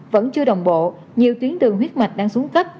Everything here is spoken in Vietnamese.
vẫn chưa đồng bộ nhiều tuyến đường huyết mạch đang xuống cấp